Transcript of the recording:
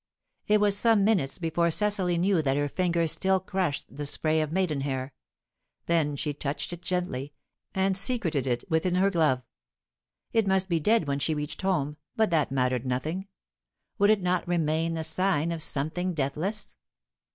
It was some minutes before Cecily knew that her fingers still crushed the spray of maidenhair; then she touched it gently, and secreted it within her glove. It must be dead when she reached home, but that mattered nothing; would it not remain the sign of something deathless?